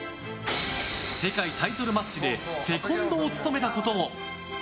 世界タイトルマッチでセコンドを務めたことも。